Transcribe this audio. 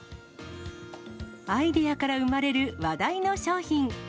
アイデアから生まれる話題の商品。